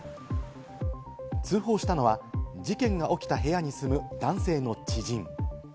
通報したのは事件が起きた部屋に住む男性の知人。